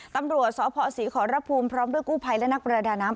ตำรวจสพศรีขอรภูมิพร้อมด้วยกู้ภัยและนักประดาน้ำ